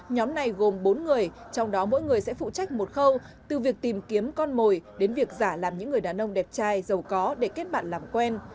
nhóm này gồm bốn người trong đó mỗi người sẽ phụ trách một khâu từ việc tìm kiếm con mồi đến việc giả làm những người đàn ông đẹp trai giàu có để kết bạn làm quen